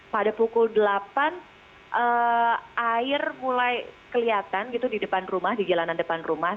pada pukul delapan air mulai kelihatan gitu di depan rumah di jalanan depan rumah